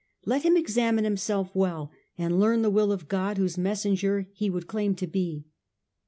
Let him examine himself well, and learn the will of God whose messenger he would claim to be.